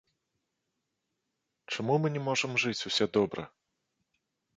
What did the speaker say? Чаму мы не можам жыць усе добра?